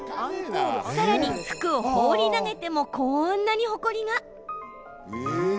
さらに、服を放り投げてもこんなに、ほこりが。